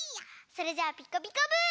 それじゃあ「ピカピカブ！」。